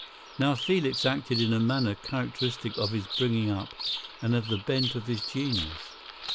Now Felix acted in a manner characteristic of his bringing up and of the bent of his genius.